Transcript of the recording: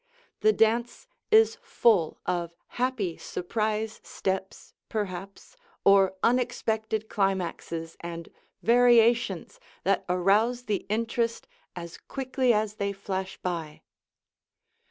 The dance is full of happy surprise steps, perhaps, or unexpected climaxes and variations that arouse the interest as they quickly flash by.